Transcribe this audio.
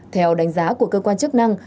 theo đánh giá của cơ quan chức năng